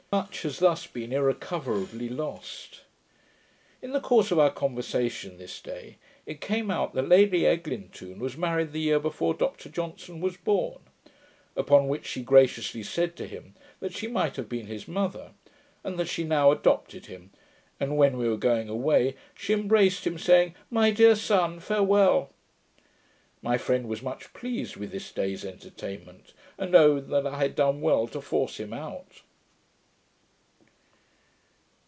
Much has thus been irrecoverably lost. In the course of our conversation this day, it came out, that Lady Eglintoune was married the year before Dr Johnson was born; upon which she graciously said to him, that she might have been his mother; and that she now adopted him; and when we were going away, she embraced him, saying, 'My dear son, farewell!' My friend was much pleased with this day's entertainment, and owned that I had done well to force him out.